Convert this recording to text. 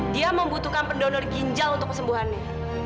dia membutuhkan pendonor ginjal untuk kesembuhannya